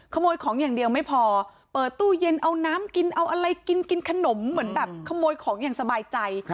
ขโมยของอย่างเดียวไม่พอเปิดตู้เย็นเอาน้ำกินเอาอะไรกินกินขนมเหมือนแบบขโมยของอย่างสบายใจ